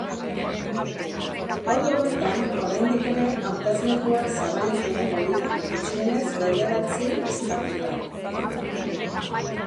Ordu horretan, oraindik ere hauteslekuak zabalik egongo dira gutxienez bederatzi estatutan.